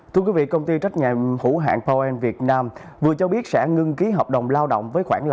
thưa quý vị công ty trách nhà hữu hạng power end việt nam vừa cho biết sẽ ngưng ký hợp đồng lao động